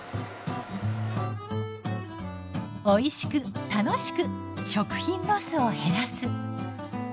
おいしく楽しく食品ロスを減らす。